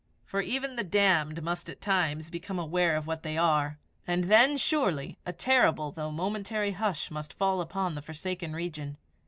For even the damned must at times become aware of what they are, and then surely a terrible though momentary hush must fall upon the forsaken region.